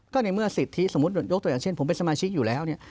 ก็ในเมื่อสิทธิสมมุติยกตัวอย่างเช่นผมเป็นสมาชิกอยู่แล้วเนี่ย